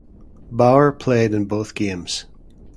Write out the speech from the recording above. Bauer played in both games.